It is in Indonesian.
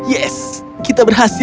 yes kita berhasil